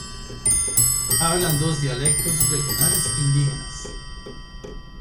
Hablan dos dialectos regionales indígenas.